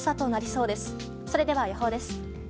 それでは予報です。